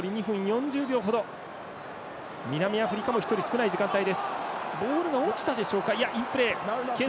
南アフリカも１人少ない時間帯。